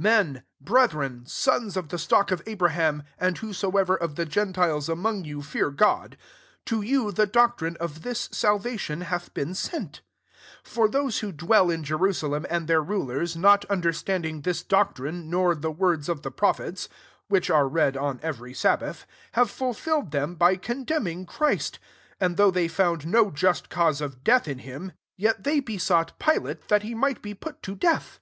26 ^^ Men, brethren, sons of the stock of Abraham, and whoso ever qf the geniiies among you fear God ; to you the doctrine of this salvation hath been sent* 27 For those who dwell in Je rusalem and their rulers, not understanding this doctrine^ nor the words of the prophets, whidi are read on every sabbath* have folfilled them by conderanittg Christ. 28 And though they found no just cause of death en him^ yet they besought Pilate AGl:S XIII. 225 that he might be put to death.